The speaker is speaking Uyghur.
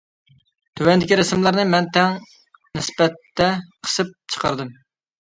تۆۋەندىكى رەسىملەرنى مەن تەڭ نىسبەتتە قىسىپ چىقاردىم.